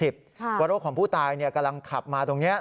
เพราะรถของผู้ตายกำลังขับมาตรงนี้